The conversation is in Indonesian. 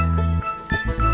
terima kasih bu